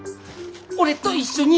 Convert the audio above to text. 俺と一緒に。